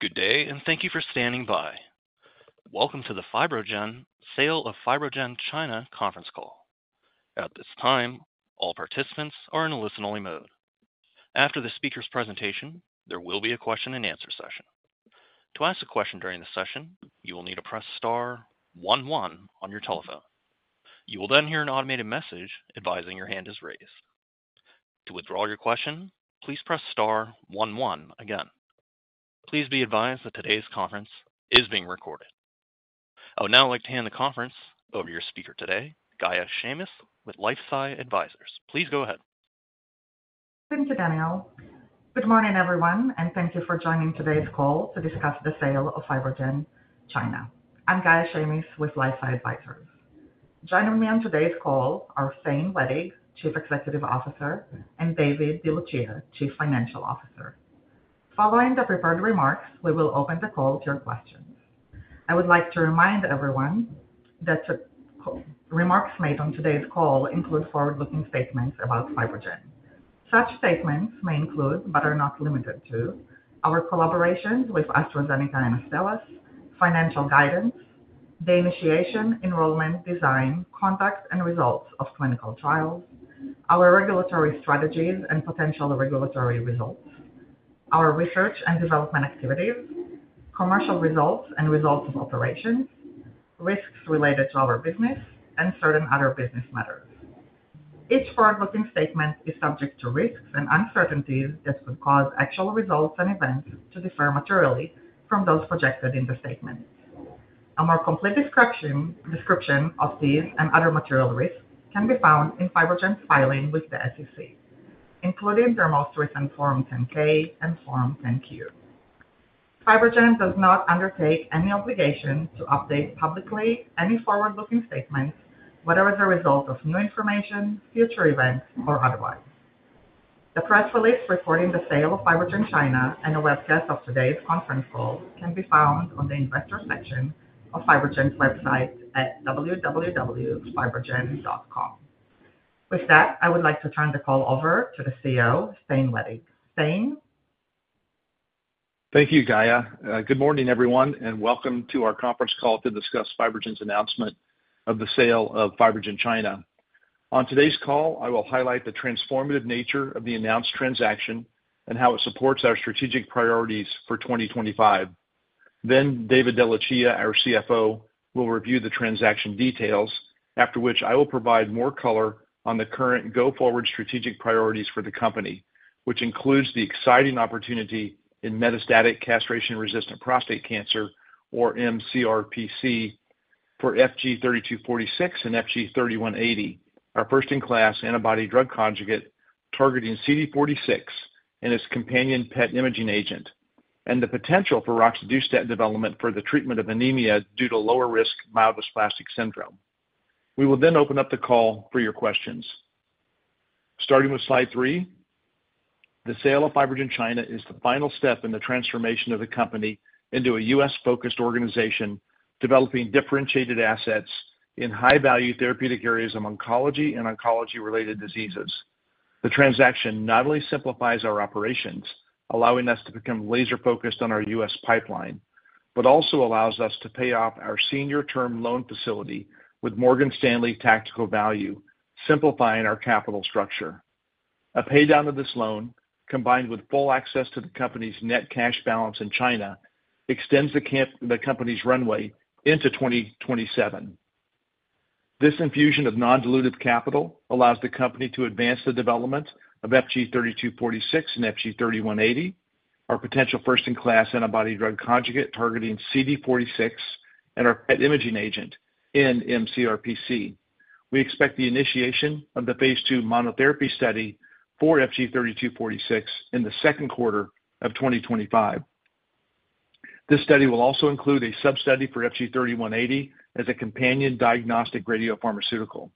Good day, and thank you for standing by. Welcome to the FibroGen Sale of FibroGen China conference call. At this time, all participants are in a listen-only mode. After the speaker's presentation, there will be a question-and-answer session. To ask a question during the session, you will need to press star one-one on your telephone. You will then hear an automated message advising your hand is raised. To withdraw your question, please press star one one again. Please be advised that today's conference is being recorded. I would now like to hand the conference over to your speaker today, Gaia Shamis, with LifeSci Advisors. Please go ahead. Thank you, Daniel. Good morning, everyone, and thank you for joining today's call to discuss the sale of FibroGen China. I'm Gaia Shamis with LifeSci Advisors. Joining me on today's call are Thane Wettig, Chief Executive Officer, and David DeLucia, Chief Financial Officer. Following the prepared remarks, we will open the call to your questions. I would like to remind everyone that the remarks made on today's call include forward-looking statements about FibroGen. Such statements may include, but are not limited to, our collaborations with AstraZeneca and Astellas, financial guidance, the initiation, enrollment, design, conduct, and results of clinical trials, our regulatory strategies and potential regulatory results, our research and development activities, commercial results and results of operations, risks related to our business, and certain other business matters. Each forward-looking statement is subject to risks and uncertainties that could cause actual results and events to differ materially from those projected in the statement. A more complete description of these and other material risks can be found in FibroGen's filing with the SEC, including their most recent Form 10-K and Form 10-Q. FibroGen does not undertake any obligation to update publicly any forward-looking statements, whether as a result of new information, future events, or otherwise. The press release reporting the sale of FibroGen China and a webcast of today's conference call can be found on the investor section of FibroGen's website at www.fibrogen.com. With that, I would like to turn the call over to the CEO, Thane Wettig. Thane. Thank you, Gaia. Good morning, everyone, and welcome to our conference call to discuss FibroGen's announcement of the sale of FibroGen China. On today's call, I will highlight the transformative nature of the announced transaction and how it supports our strategic priorities for 2025. David DeLucia, our CFO, will review the transaction details, after which I will provide more color on the current go-forward strategic priorities for the company, which includes the exciting opportunity in metastatic castration-resistant prostate cancer, or mCRPC, for FG-3246 and FG-3180, our first-in-class antibody-drug conjugate targeting CD46 and its companion PET imaging agent, and the potential for roxadustat development for the treatment of anemia due to lower-risk myelodysplastic syndrome. We will then open up the call for your questions. Starting with slide III, the sale of FibroGen China is the final step in the transformation of the company into a U.S.-focused organization developing differentiated assets in high-value therapeutic areas of oncology and oncology-related diseases. The transaction not only simplifies our operations, allowing us to become laser-focused on our U.S. pipeline, but also allows us to pay off our senior-term loan facility with Morgan Stanley Tactical Value, simplifying our capital structure. A paydown of this loan, combined with full access to the company's net cash balance in China, extends the company's runway into 2027. This infusion of non-dilutive capital allows the company to advance the development of FG-3246 and FG-3180, our potential first-in-class antibody-drug conjugate targeting CD46, and our PET imaging agent, and mCRPC. We expect the initiation of the phase II monotherapy study for FG-3246 in the second quarter of 2025. This study will also include a sub-study for FG-3180 as a companion diagnostic radiopharmaceutical.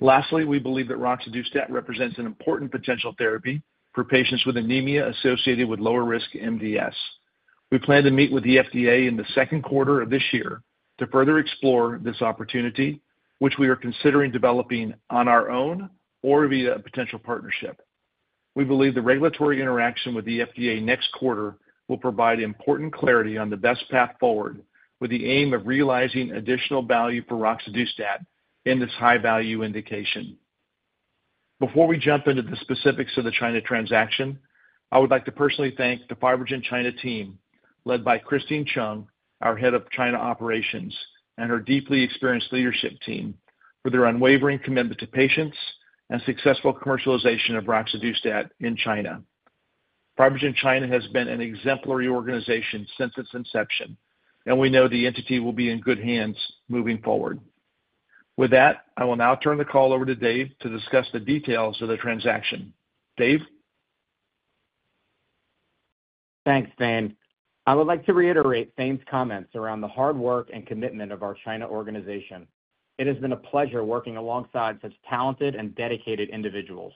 Lastly, we believe that roxadustat represents an important potential therapy for patients with anemia associated with lower-risk MDS. We plan to meet with the FDA in the second quarter of this year to further explore this opportunity, which we are considering developing on our own or via a potential partnership. We believe the regulatory interaction with the FDA next quarter will provide important clarity on the best path forward with the aim of realizing additional value for roxadustat in this high-value indication. Before we jump into the specifics of the China transaction, I would like to personally thank the FibroGen China team, led by Christine Chung, our Head of China Operations, and her deeply experienced leadership team, for their unwavering commitment to patients and successful commercialization of roxadustat in China. FibroGen China has been an exemplary organization since its inception, and we know the entity will be in good hands moving forward. With that, I will now turn the call over to Dave to discuss the details of the transaction. Dave? Thanks, Thane. I would like to reiterate Thane's comments around the hard work and commitment of our China organization. It has been a pleasure working alongside such talented and dedicated individuals.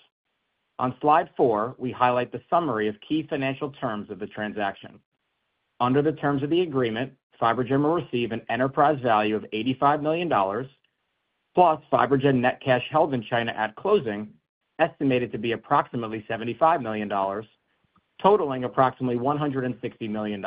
On slide four, we highlight the summary of key financial terms of the transaction. Under the terms of the agreement, FibroGen will receive an enterprise value of $85 million, plus FibroGen net cash held in China at closing, estimated to be approximately $75 million, totaling approximately $160 million.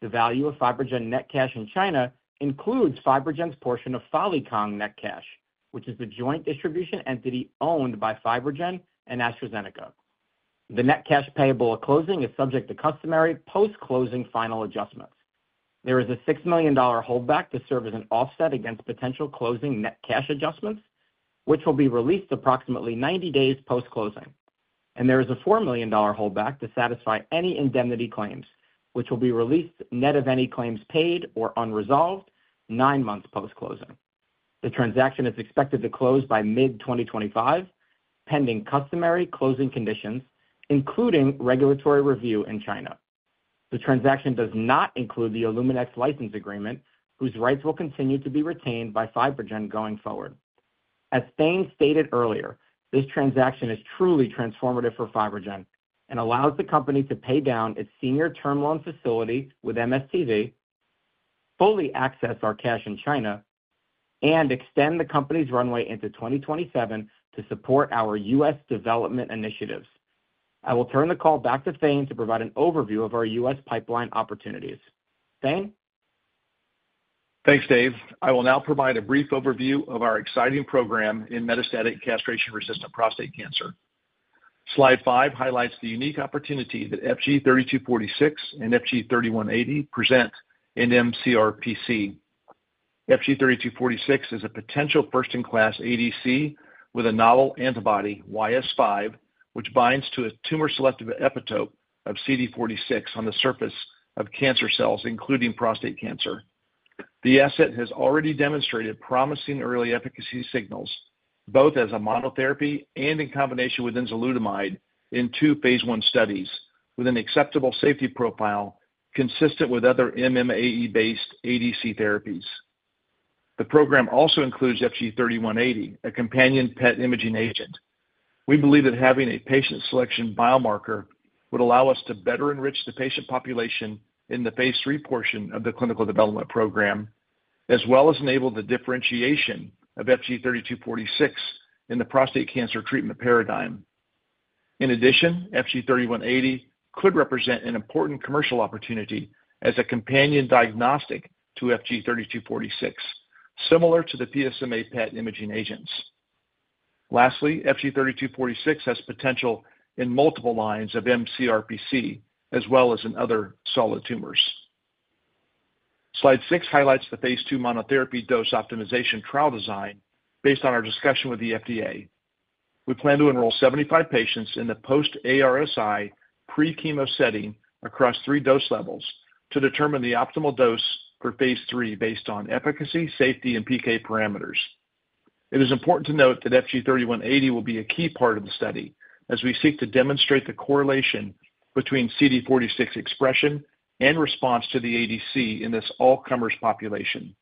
The value of FibroGen net cash in China includes FibroGen's portion of Falikang net cash, which is the joint distribution entity owned by FibroGen and AstraZeneca. The net cash payable at closing is subject to customary post-closing final adjustments. There is a $6 million holdback to serve as an offset against potential closing net cash adjustments, which will be released approximately 90 days post-closing. There is a $4 million holdback to satisfy any indemnity claims, which will be released net of any claims paid or unresolved nine months post-closing. The transaction is expected to close by mid-2025, pending customary closing conditions, including regulatory review in China. The transaction does not include the Eluminex license agreement, whose rights will continue to be retained by FibroGen going forward. As Thane stated earlier, this transaction is truly transformative for FibroGen and allows the company to pay down its senior-term loan facility with MSTV, fully access our cash in China, and extend the company's runway into 2027 to support our U.S. development initiatives. I will turn the call back to Thane to provide an overview of our U.S. pipeline opportunities. Thane? Thanks, Dave. I will now provide a brief overview of our exciting program in metastatic castration-resistant prostate cancer. Slide five highlights the unique opportunity that FG-3246 and FG-3180 present in mCRPC. FG-3246 is a potential first-in-class ADC with a novel antibody, YS5, which binds to a tumor-selective epitope of CD46 on the surface of cancer cells, including prostate cancer. The asset has already demonstrated promising early efficacy signals, both as a monotherapy and in combination with enzalutamide in two phase I studies, with an acceptable safety profile consistent with other MMAE-based ADC therapies. The program also includes FG-3180, a companion PET imaging agent. We believe that having a patient selection biomarker would allow us to better enrich the patient population in the phase III portion of the clinical development program, as well as enable the differentiation of FG-3246 in the prostate cancer treatment paradigm. In addition, FG3180 could represent an important commercial opportunity as a companion diagnostic to FG-3246, similar to the PSMA-PET imaging agents. Lastly, FG-3246 has potential in multiple lines of mCRPC, as well as in other solid tumors. Slide six highlights the phase II monotherapy dose optimization trial design based on our discussion with the FDA. We plan to enroll 75 patients in the post-ARSI pre-chemo setting across three dose levels to determine the optimal dose for phase III based on efficacy, safety, and PK parameters. It is important to note that FG-3180 will be a key part of the study as we seek to demonstrate the correlation between CD46 expression and response to the ADC in this all-comers population.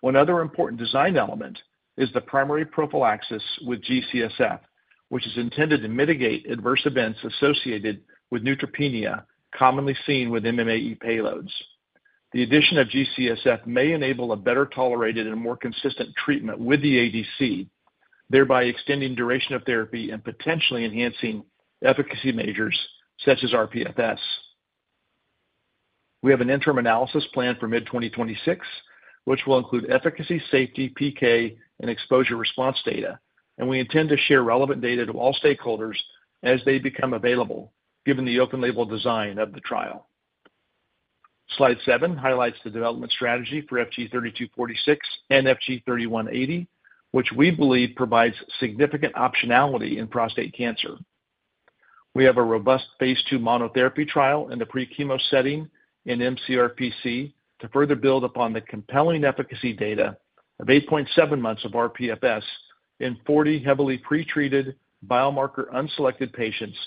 One other important design element is the primary prophylaxis with G-CSF, which is intended to mitigate adverse events associated with neutropenia commonly seen with MMAE payloads. The addition of G-CSF may enable a better-tolerated and more consistent treatment with the ADC, thereby extending duration of therapy and potentially enhancing efficacy measures such as rPFS. We have an interim analysis planned for mid-2026, which will include efficacy, safety, PK, and exposure response data, and we intend to share relevant data to all stakeholders as they become available, given the open-label design of the trial. Slide seven highlights the development strategy for FG-3246 and FG-3180, which we believe provides significant optionality in prostate cancer. We have a robust phase II monotherapy trial in the pre-chemo setting in mCRPC to further build upon the compelling efficacy data of 8.7 months of rPFS in 40 heavily pretreated biomarker unselected patients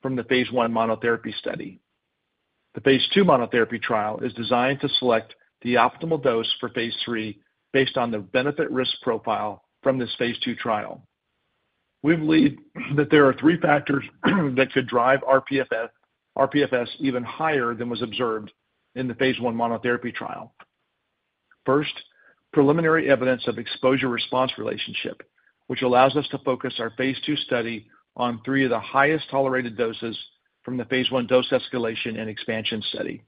from the phase I monotherapy study. The phase II monotherapy trial is designed to select the optimal dose for phase III based on the benefit-risk profile from this phase II trial. We believe that there are three factors that could drive rPFS even higher than was observed in the phase I monotherapy trial. First, preliminary evidence of exposure-response relationship, which allows us to focus our phase II study on three of the highest tolerated doses from the phase I dose escalation and expansion study.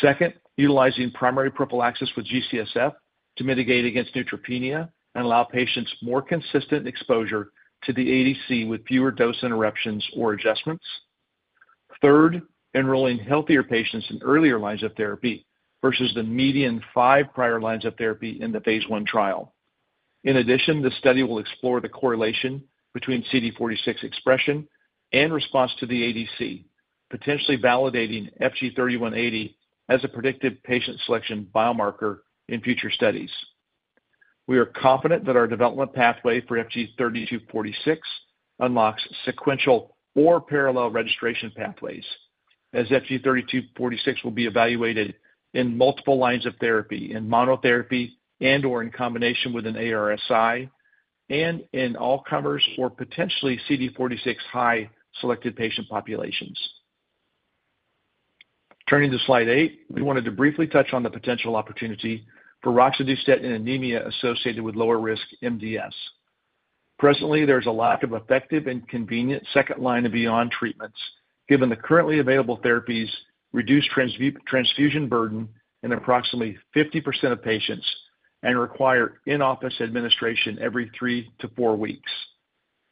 Second, utilizing primary prophylaxis with G-CSF to mitigate against neutropenia and allow patients more consistent exposure to the ADC with fewer dose interruptions or adjustments. Third, enrolling healthier patients in earlier lines of therapy versus the median five prior lines of therapy in the phase I trial. In addition, the study will explore the correlation between CD46 expression and response to the ADC, potentially validating FG-3180 as a predictive patient selection biomarker in future studies. We are confident that our development pathway for FG-3246 unlocks sequential or parallel registration pathways, as FG-3246 will be evaluated in multiple lines of therapy, in monotherapy and/or in combination with an ARSI, and in all-comers or potentially CD46 high selected patient populations. Turning to slide eight, we wanted to briefly touch on the potential opportunity for roxadustat in anemia associated with lower-risk MDS. Presently, there is a lack of effective and convenient second-line and beyond treatments, given the currently available therapies' reduced transfusion burden in approximately 50% of patients and require in-office administration every three to four weeks.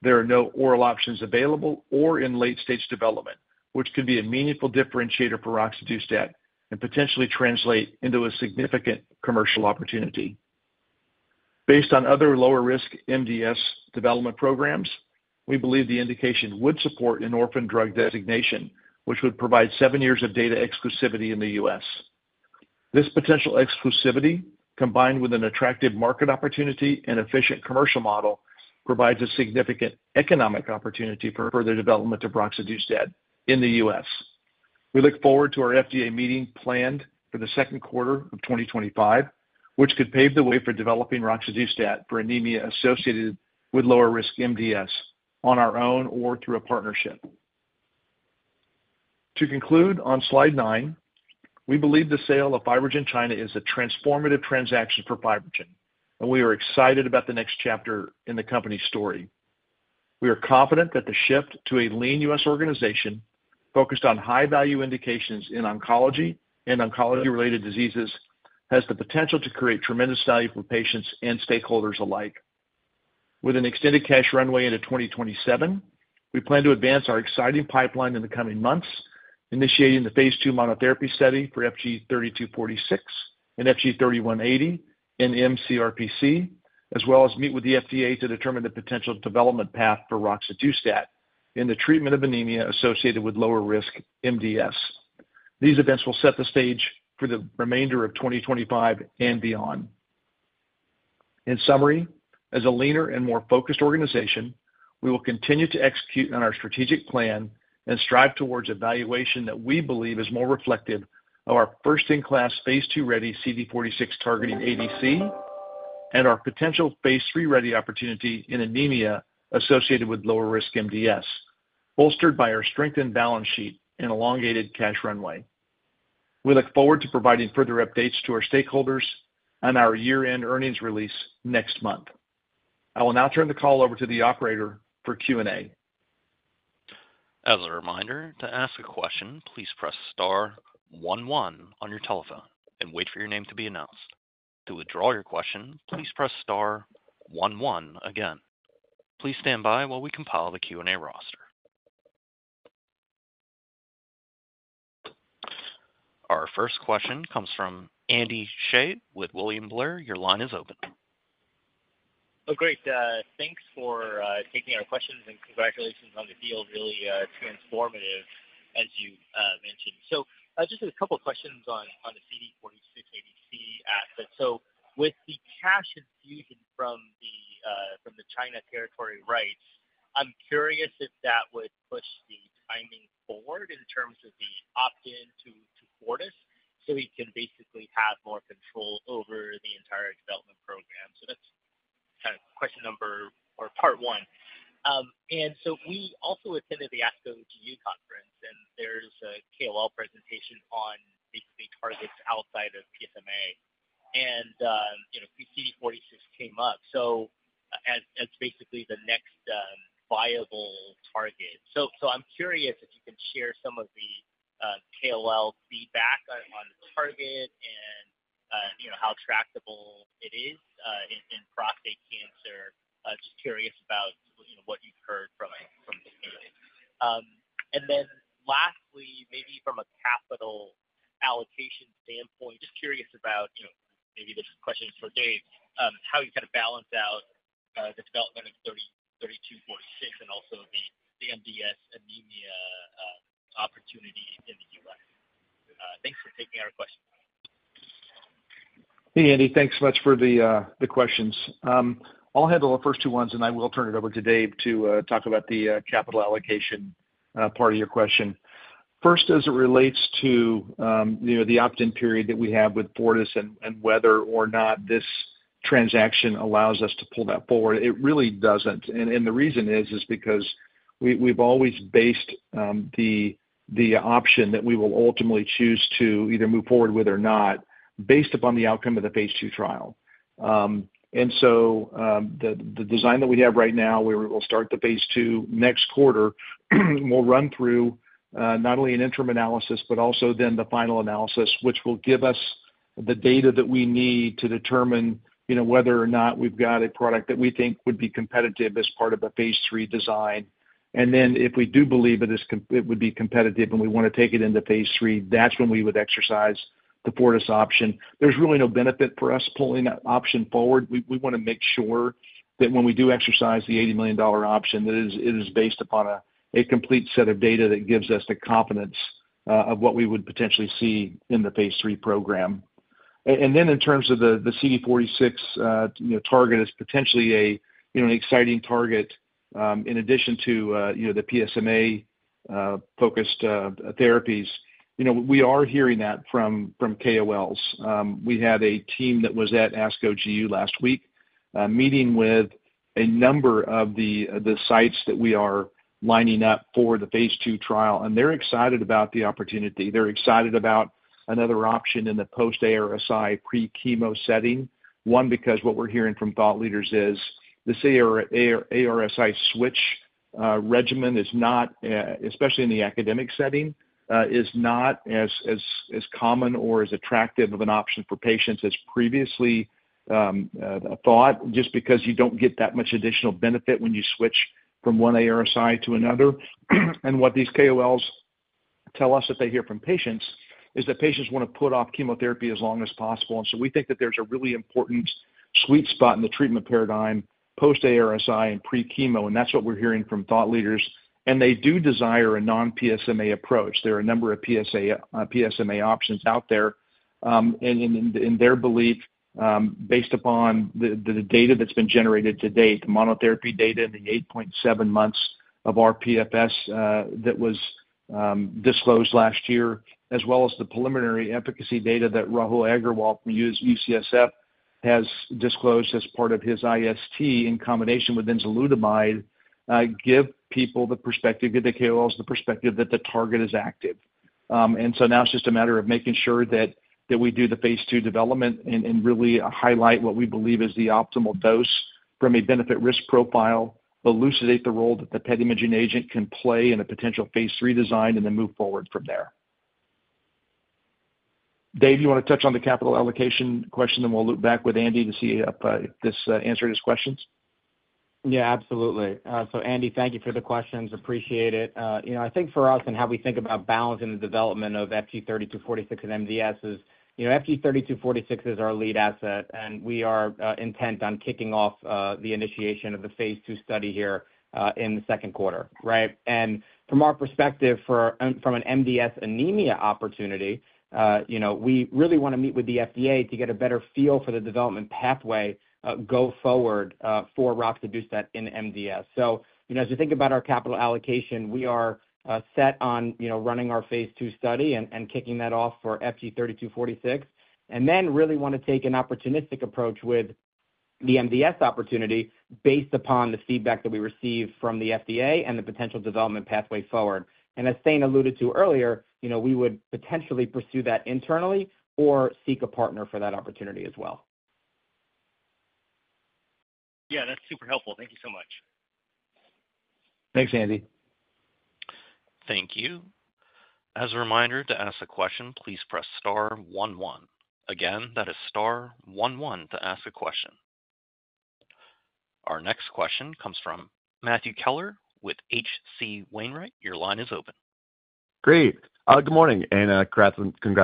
There are no oral options available or in late-stage development, which could be a meaningful differentiator for roxadustat and potentially translate into a significant commercial opportunity. Based on other lower-risk MDS development programs, we believe the indication would support an orphan drug designation, which would provide seven years of data exclusivity in the U.S. This potential exclusivity, combined with an attractive market opportunity and efficient commercial model, provides a significant economic opportunity for further development of roxadustat in the U.S. We look forward to our FDA meeting planned for the second quarter of 2025, which could pave the way for developing roxadustat for anemia associated with lower-risk MDS on our own or through a partnership. To conclude, on slide nine, we believe the sale of FibroGen China is a transformative transaction for FibroGen, and we are excited about the next chapter in the company's story. We are confident that the shift to a lean U.S. organization focused on high-value indications in oncology and oncology-related diseases has the potential to create tremendous value for patients and stakeholders alike. With an extended cash runway into 2027, we plan to advance our exciting pipeline in the coming months, initiating the phase II monotherapy study for FG-3246 and FG-3180 in mCRPC, as well as meet with the FDA to determine the potential development path for roxadustat in the treatment of anemia associated with lower-risk MDS. These events will set the stage for the remainder of 2025 and beyond. In summary, as a leaner and more focused organization, we will continue to execute on our strategic plan and strive towards evaluation that we believe is more reflective of our first-in-class phase II-ready CD46 targeting ADC and our potential phase III-ready opportunity in anemia associated with lower-risk MDS, bolstered by our strength and balance sheet and elongated cash runway. We look forward to providing further updates to our stakeholders and our year-end earnings release next month. I will now turn the call over to the operator for Q&A. As a reminder, to ask a question, please press star one one on your telephone and wait for your name to be announced. To withdraw your question, please press star one one again. Please stand by while we compile the Q&A roster. Our first question comes from Andy Hsieh with William Blair. Your line is open. Oh, great. Thanks for taking our questions, and congratulations on the deal. Really transformative, as you mentioned. Just a couple of questions on the CD46 ADC asset. With the cash infusion from the China territory rights, I'm curious if that would push the timing forward in terms of the opt-in to Fortis so we can basically have more control over the entire development program. That is kind of question number or part one. We also attended the ASCO GU conference, and there is a KOL presentation on basically targets outside of PSMA, and CD46 came up. That is basically the next viable target. I'm curious if you can share some of the KOL feedback on the target and how tractable it is in prostate cancer. Just curious about what you've heard from the team. Lastly, maybe from a capital allocation standpoint, just curious about maybe this question is for Dave, how you kind of balance out the development of 3246 and also the MDS anemia opportunity in the U.S. Thanks for taking our questions. Hey, Andy. Thanks so much for the questions. I'll handle the first two ones, and I will turn it over to Dave to talk about the capital allocation part of your question. First, as it relates to the opt-in period that we have with Fortis and whether or not this transaction allows us to pull that forward, it really doesn't. The reason is because we've always based the option that we will ultimately choose to either move forward with or not based upon the outcome of the phase II trial. The design that we have right now, where we will start the phase II next quarter, will run through not only an interim analysis, but also then the final analysis, which will give us the data that we need to determine whether or not we've got a product that we think would be competitive as part of a phase III design. If we do believe it would be competitive and we want to take it into phase III, that's when we would exercise the Fortis option. There's really no benefit for us pulling that option forward. We want to make sure that when we do exercise the $80 million option, that it is based upon a complete set of data that gives us the confidence of what we would potentially see in the phase III program. In terms of the CD46 target, it's potentially an exciting target in addition to the PSMA-focused therapies. We are hearing that from KOLs. We had a team that was at ASCO GU last week meeting with a number of the sites that we are lining up for the phase II trial, and they're excited about the opportunity. They're excited about another option in the post-ARSI pre-chemo setting, one, because what we're hearing from thought leaders is this ARSI switch regimen is not, especially in the academic setting, is not as common or as attractive of an option for patients as previously thought, just because you don't get that much additional benefit when you switch from one ARSI to another. What these KOLs tell us that they hear from patients is that patients want to put off chemotherapy as long as possible. We think that there's a really important sweet spot in the treatment paradigm post-ARSI and pre-chemo, and that's what we're hearing from thought leaders. They do desire a non-PSMA approach. There are a number of PSMA options out there. In their belief, based upon the data that's been generated to date, the monotherapy data in the 8.7 months of rPFS that was disclosed last year, as well as the preliminary efficacy data that Rahul Aggarwal from UCSF has disclosed as part of his IST in combination with enzalutamide, give people the perspective, give the KOLs the perspective that the target is active. It is just a matter of making sure that we do the phase II development and really highlight what we believe is the optimal dose from a benefit-risk profile, elucidate the role that the PET imaging agent can play in a potential phase III design, and then move forward from there. Dave, you want to touch on the capital allocation question, and we will loop back with Andy to see if this answered his questions? Yeah, absolutely. Andy, thank you for the questions. Appreciate it. I think for us and how we think about balancing the development of FG-3246 and MDS is FG-3246 is our lead asset, and we are intent on kicking off the initiation of the phase II study here in the second quarter, right? From our perspective, from an MDS anemia opportunity, we really want to meet with the FDA to get a better feel for the development pathway go forward for roxadustat in MDS. As you think about our capital allocation, we are set on running our phase II study and kicking that off for FG-3246, and then really want to take an opportunistic approach with the MDS opportunity based upon the feedback that we receive from the FDA and the potential development pathway forward. As Thane alluded to earlier, we would potentially pursue that internally or seek a partner for that opportunity as well. Yeah, that's super helpful. Thank you so much. Thanks, Andy. Thank you. As a reminder to ask a question, please press star one one. Again, that is star 11 to ask a question. Our next question comes from Matthew Keller with H.C. Wainwright. Your line is open. Great. Good morning and congrats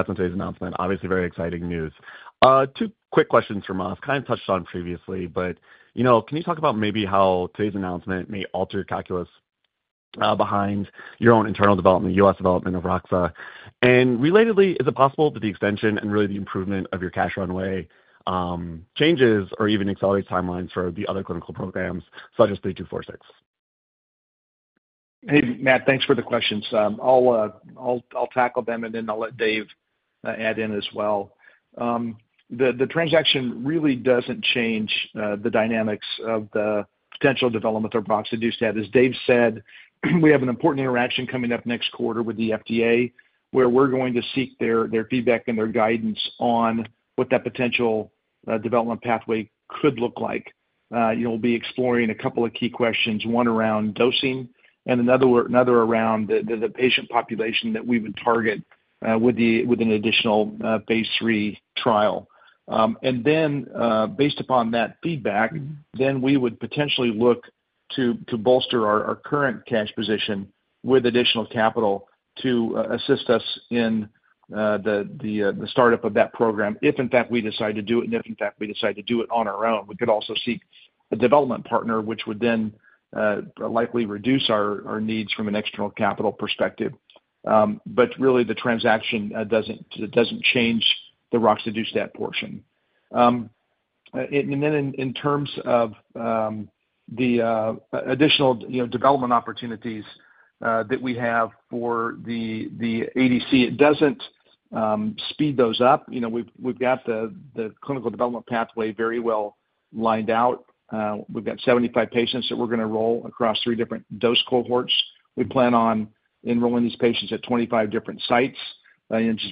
on today's announcement. Obviously, very exciting news. Two quick questions from us. Kind of touched on previously, but can you talk about maybe how today's announcement may alter your calculus behind your own internal development, U.S. development of roxadustat? Relatedly, is it possible that the extension and really the improvement of your cash runway changes or even accelerates timelines for the other clinical programs, such as 3246? Hey, Matt, thanks for the questions. I'll tackle them, and then I'll let Dave add in as well. The transaction really doesn't change the dynamics of the potential development of roxadustat. As Dave said, we have an important interaction coming up next quarter with the FDA, where we're going to seek their feedback and their guidance on what that potential development pathway could look like. We'll be exploring a couple of key questions, one around dosing and another around the patient population that we would target with an additional phase III trial. Based upon that feedback, we would potentially look to bolster our current cash position with additional capital to assist us in the startup of that program, if in fact we decide to do it, and if in fact we decide to do it on our own. We could also seek a development partner, which would then likely reduce our needs from an external capital perspective. Really, the transaction does not change the roxadustat portion. In terms of the additional development opportunities that we have for the ADC, it does not speed those up. We have the clinical development pathway very well lined out. We have 75 patients that we are going to roll across three different dose cohorts. We plan on enrolling these patients at 25 different sites.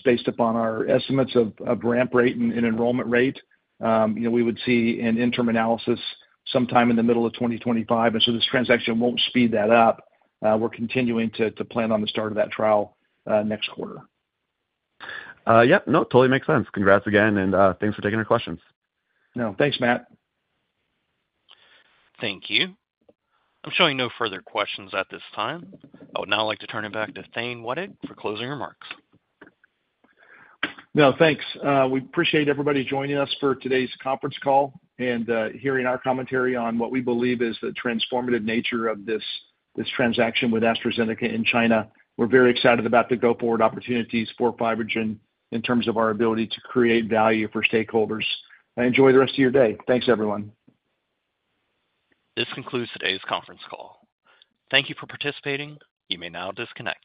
Based upon our estimates of ramp rate and enrollment rate, we would see an interim analysis sometime in the middle of 2025. This transaction will not speed that up. We are continuing to plan on the start of that trial next quarter. Yep. No, totally makes sense. Congrats again, and thanks for taking our questions. No. Thanks, Matt. Thank you. I'm showing no further questions at this time. I would now like to turn it back to Thane Wettig for closing remarks. No, thanks. We appreciate everybody joining us for today's conference call and hearing our commentary on what we believe is the transformative nature of this transaction with AstraZeneca in China. We're very excited about the go-forward opportunities for FibroGen in terms of our ability to create value for stakeholders. Enjoy the rest of your day. Thanks, everyone. This concludes today's conference call. Thank you for participating. You may now disconnect.